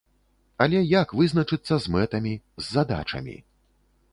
Але як вызначыцца з мэтамі, з задачамі?